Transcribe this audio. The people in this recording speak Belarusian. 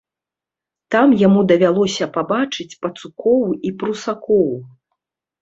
Там яму давялося пабачыць пацукоў і прусакоў.